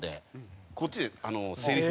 こっちでせりふ。